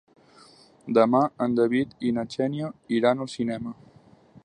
Demà en David i na Xènia iran al cinema.